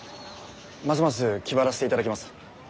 ますます気張らせていただきます。